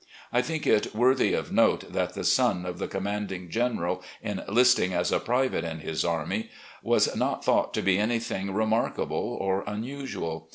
I think it worthy of note that the son of the commanding general enhsting as a private in his army was not thought to be anything re markable or unusual.